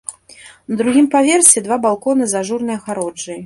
На другім паверсе два балконы з ажурнай агароджай.